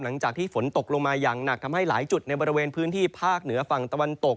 หลังจากที่ฝนตกลงมาอย่างหนักทำให้หลายจุดในบริเวณพื้นที่ภาคเหนือฝั่งตะวันตก